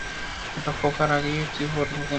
ওটা ফোকার আগেই তুই পটল কাটবি।